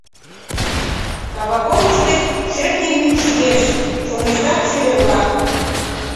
Кавапомыш гыч шӧртньӧ мӱкш еш — чоҥештат шӱдыр-влак.